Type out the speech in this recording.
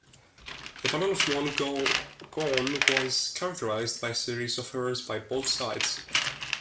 The Battle of Monguagon was characterized by a series of errors by both sides.